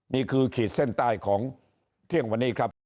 ขีดเส้นใต้ของเที่ยงวันนี้ครับ